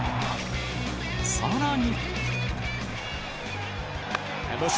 さらに。